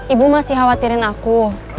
ibu masih khawatirin aku